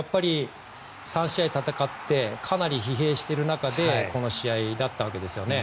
３試合戦ってかなり疲弊している中でこの試合だったわけですよね。